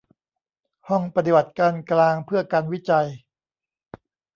ห้องปฏิบัติการกลางเพื่อการวิจัย